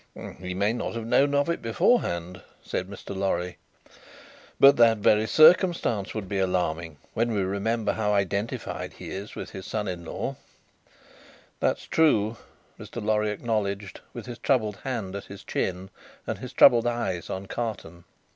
"He may not have known of it beforehand," said Mr. Lorry. "But that very circumstance would be alarming, when we remember how identified he is with his son in law." "That's true," Mr. Lorry acknowledged, with his troubled hand at his chin, and his troubled eyes on Carton.